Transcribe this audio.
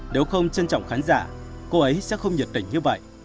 nếu không trân trọng khán giả cô ấy sẽ không nhiệt tình như vậy